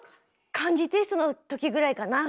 漢字テストのときぐらいかな